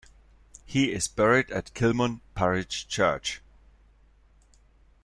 He is buried at Kilmun Parish Church.